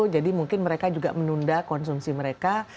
jadi mungkin mereka juga menunda konsumsi mereka